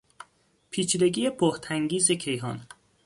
پیچیدگی بهت انگیز کیهان